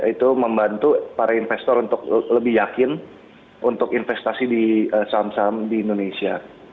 itu membantu para investor untuk lebih yakin untuk investasi di saham saham di indonesia